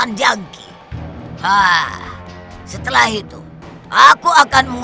aku tidak ingin memiliki ibu iblis seperti mu